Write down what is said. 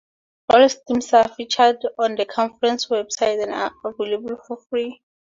All streams are featured on the conference website and are available for free.